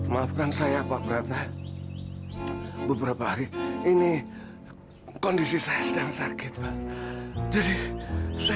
maafkan saya pak berata beberapa hari ini kondisi saya sedang sakit pak jadi saya